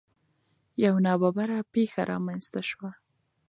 یو نا ببره پېښه رامنځ ته شوه.